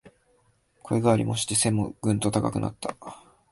声変わりして背もぐんと高くなった